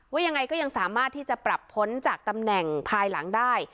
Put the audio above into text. ว่ายังไงก็ยังสามารถที่จะปรับพ้นจากตำแหน่งภายหลังได้